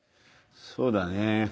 そうだね。